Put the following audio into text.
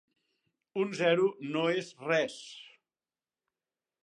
Un zero no és res.